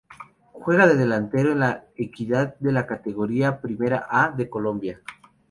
Juega de delantero en La Equidad de la Categoría Primera A de Colombia.